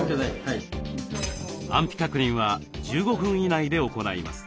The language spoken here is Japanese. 安否確認は１５分以内で行います。